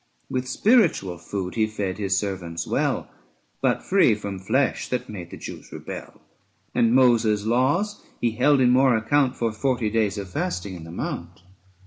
625 With spiritual food he fed his servants well, But free from flesh that made the Jews rebel: And Moses' laws he held in more account Lj'or forty days of fasting in the mount.